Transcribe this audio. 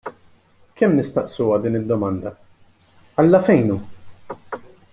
Kemm nistaqsuha din id-domanda: Alla fejn hu?